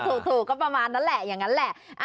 ถูกก็ประมาณนั้นแหละอย่างนั้นแหละ